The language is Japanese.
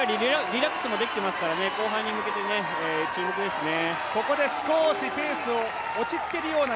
リラックスもできていますから、後半に向けて注目ですね。